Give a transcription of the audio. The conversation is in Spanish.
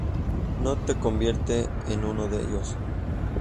no te convierte en uno de ellos